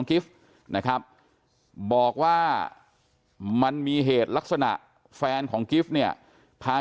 กิฟต์นะครับบอกว่ามันมีเหตุลักษณะแฟนของกิฟต์เนี่ยพา